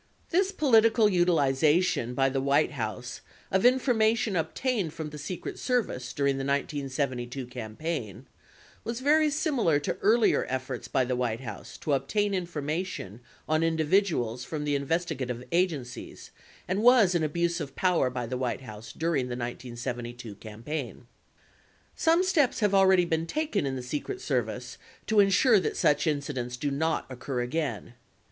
80 This political utilization by the White House of information obtained from the Secret Service during the 1972 campaign was very similar to earlier efforts by the White House to obtain information on individuals from the investigative agencies, and was an abuse of power by the White House during the 1972 campaign. Some steps have already been taken in the Secret Service to insure that such incidents do not occur again.